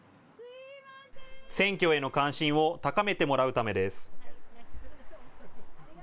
選挙への関心を高めてもらうためです。